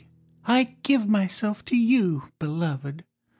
I give myself to you, Beloved!